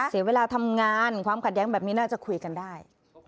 เสียเวลาทำงานความขัดแย้งแบบนี้น่าจะคุยกันได้